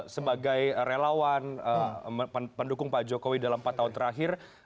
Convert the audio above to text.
sebagai relawan pendukung pak jokowi dalam empat tahun terakhir